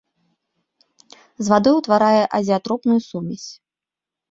З вадой утварае азеатропную сумесь.